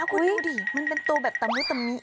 เอาคุณดูดิมันเป็นตัวแบบตำนึกตำมิ